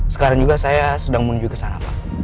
sekarang juga saya sedang menuju ke sana pak